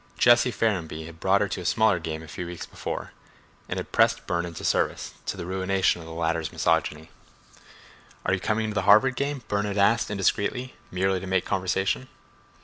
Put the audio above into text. Jesse Ferrenby had brought her to a smaller game a few weeks before, and had pressed Burne into service—to the ruination of the latter's misogyny. "Are you coming to the Harvard game?" Burne had asked indiscreetly, merely to make conversation.